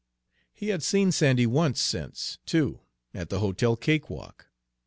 He had seen Sandy once since, too, at the hotel cakewalk.